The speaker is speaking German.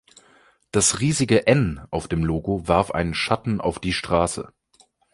Das riesige N auf dem Logo warf einen Schatten auf die Straße.